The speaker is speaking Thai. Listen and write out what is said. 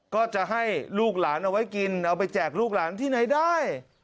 ก็จะให้ลูกหลานเอาไว้กินเอาไปแจกลูกหลานที่ไหนได้